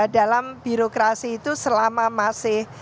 dalam birokrasi itu selama masih